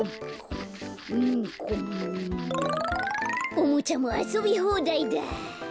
おもちゃもあそびほうだいだ。